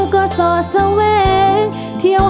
ขอบคุณครับ